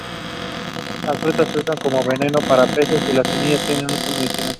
Las frutas se usan como veneno para peces y las semillas tienen uso medicinal.